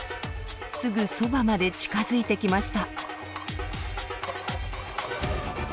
すぐそばまで近づいてきました。